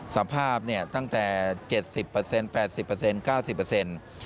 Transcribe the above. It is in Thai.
สภาพตั้งแต่๗๐เปรกเปรด๑๐เปรก๙๐เปรก